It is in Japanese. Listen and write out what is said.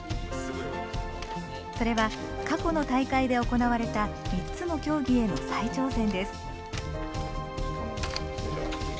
それは過去の大会で行われた３つの競技への再挑戦です。